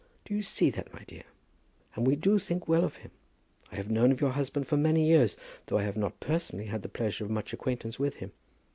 Do you see that, my dear? And we do think well of him. I have known of your husband for many years, though I have not personally had the pleasure of much acquaintance with him.